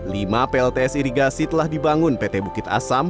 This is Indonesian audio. lima plts irigasi telah dibangun pt bukit asam